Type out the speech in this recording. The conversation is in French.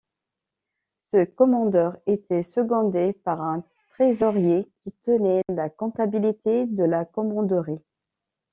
Ce commandeur était secondé par un trésorier qui tenait la comptabilité de la commanderie.